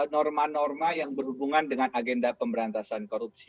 norma norma yang berhubungan dengan agenda pemberantasan korupsi